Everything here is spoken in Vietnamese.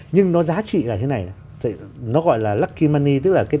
nhưng nó giá trị là thế này